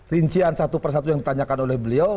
rincian satu persatu yang ditanyakan oleh beliau